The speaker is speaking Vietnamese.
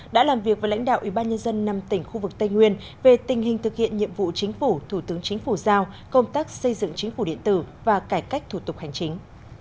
đã làm việc với lãnh đạo ủy ban nhân dân năm tỉnh khu vực tây nguyên về tình hình thực hiện nhiệm vụ chính phủ thủ tướng chính phủ giao công tác xây dựng chính phủ điện tử và cải cách thủ tục hành chính